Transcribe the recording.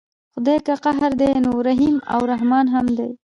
خدای که قهار دی نو رحیم او رحمن هم دی.